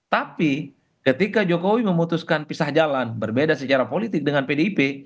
tapi ketika jokowi memutuskan pisah jalan berbeda secara politik dengan pdip